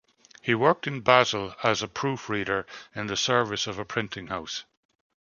He worked in Basel as a proof-reader in the service of a printing house.